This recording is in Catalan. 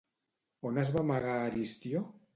On es va amagar Aristió?